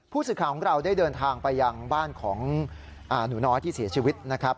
ผู้สื่อข่าวของเราได้เดินทางไปยังบ้านของหนูน้อยที่เสียชีวิตนะครับ